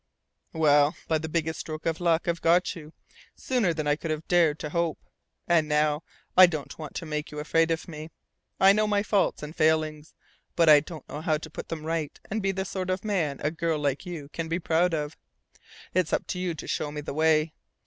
"Well, by the biggest stroke of luck I've got you, sooner than I could have dared to hope; and now I don't want to make you afraid of me. I know my faults and failings, but I don't know how to put them right and be the sort of man a girl like you can be proud of. It's up to you to show me the way.